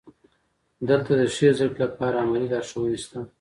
دلته د ښې زده کړې لپاره عملي لارښوونې شته.